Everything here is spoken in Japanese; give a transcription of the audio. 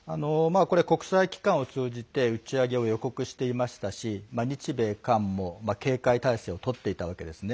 国際機関を通じて打ち上げを予告していましたし日米韓も警戒態勢をとっていたわけですね。